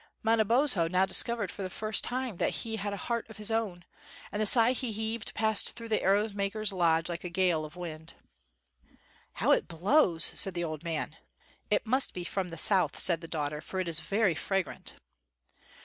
Manabozlio now discovered for the first time that he had a heart of his own, and the sigh he heaved passed through the arrow maker's lodge like a gale of wind. "How it blows!" said the old man. "It must be from the south," said the daughter; "for it is very fragrant."